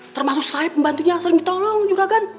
termasuk saya pembantunya sering ditolong juragan